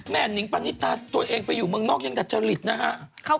หนิงปณิตาตัวเองไปอยู่เมืองนอกยังดัจจริตนะฮะ